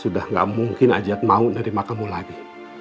sudah gak mungkin ajat mau nerima kamu lagi